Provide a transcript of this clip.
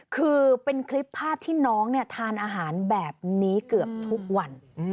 คือเป็นคลิปภาพที่น้องทานอาหารแบบนี้เกือบทุกวัน